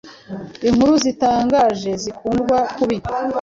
inkuru zitangaje zikundwa kubi